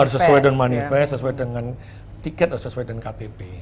harus sesuai dengan manifest sesuai dengan tiket atau sesuai dengan kpp